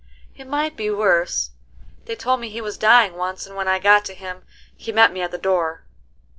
"It might be worse. They told me he was dying once, and when I got to him he met me at the door.